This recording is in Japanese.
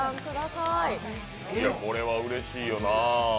これはうれしいよなぁ。